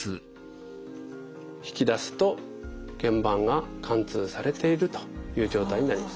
引き出すとけん板が貫通されているという状態になります。